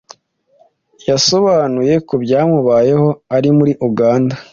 Yasobanuye ko byamubayeho ari muri Uganda